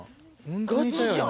ガチじゃん。